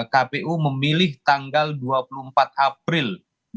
kpu memilih tanggal dua puluh empat april dua ribu dua puluh